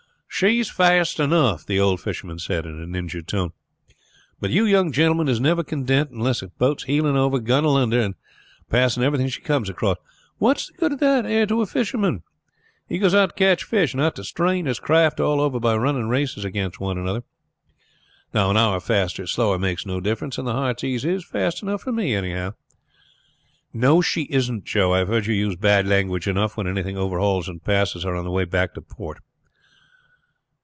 "She is fast enough," the old fisherman said in an injured tone. "But you young gentlemen is never content unless a boat is heeling over, gunnel under, and passing everything she comes across. What's the good of that ere to a fisherman? He goes out to catch fish, not to strain his craft all over by running races against another. Now an hour faster or slower makes no difference, and the Heartsease is fast enough for me, anyhow." "No, she isn't, Joe. I have heard you use bad language enough when anything overhauls and passes her on the way back to port."